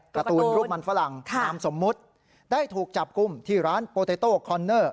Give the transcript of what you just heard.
การ์ตูนรูปมันฝรั่งนามสมมุติได้ถูกจับกลุ่มที่ร้านโปเตโต้คอนเนอร์